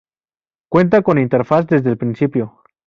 Cuenta con interfaz desde el principio.